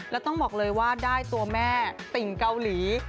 แล้วต้องบอกเลยว่าได้ตัวแม่ติ่งเกาหลี